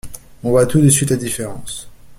On voit tout de suite la différence.